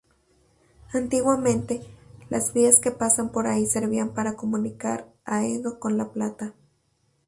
Antiguamente, las vías que pasan por ahí servían para comunicar Haedo con La Plata.